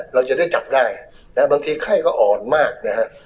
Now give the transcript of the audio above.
เราจะได้จับได้นะบางทีไข้ก็อ่อนมากนะฮะ